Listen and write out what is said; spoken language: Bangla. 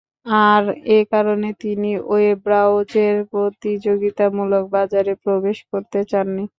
আর এ কারণেই, তিনি ওয়েব ব্রাউজারের প্রতিযোগিতামূলক বাজারে প্রবেশ করতে চাননি।